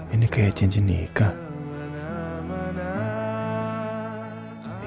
ini kayak cincin nikah